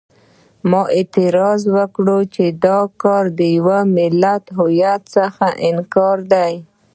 ما اعتراض وکړ چې دا کار د یوه ملت له هویت څخه انکار دی.